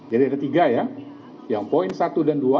jadi ada tiga ya yang poin satu dan dua